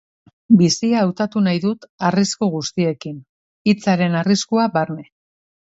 Bizia hautatu nahi dut arrisku guztiekin, hitzaren arriskua barne.